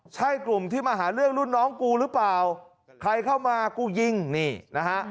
ใช่กลุ่มที่มาหาเรื่องรุ่นน้องกูหรือเปล่าใครเข้ามากูยิงนี่นะฮะ